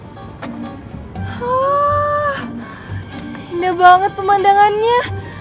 wah indah banget pemandangannya